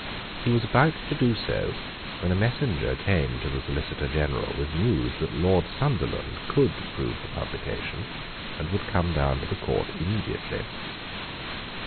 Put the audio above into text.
He was about to do so when a messenger came to the Solicitor General with news that Lord Sunderland could prove the publication, and would come down to the court immediately.